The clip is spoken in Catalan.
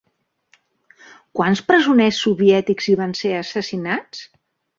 Quants presoners soviètics hi van ser assassinats?